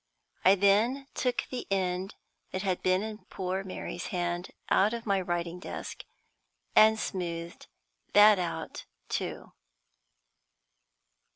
I then took the end that had been in poor Mary's hand out of my writing desk, and smoothed that out too.